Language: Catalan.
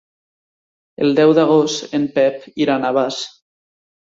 El deu d'agost en Pep irà a Navàs.